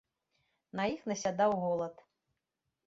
На іх насядаў голад.